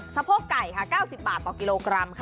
สะโพกไก่ค่ะ๙๐บาทต่อกิโลกรัมค่ะ